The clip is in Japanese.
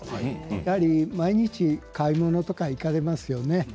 やはり毎日買い物とか行かれますよね。